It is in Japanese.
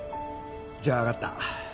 じゃあわかった。